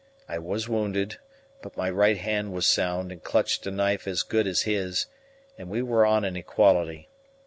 I was wounded, but my right hand was sound and clutched a knife as good as his, and we were on an equality.